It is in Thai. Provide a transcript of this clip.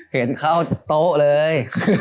เห็นเข้าโต๊ะเลย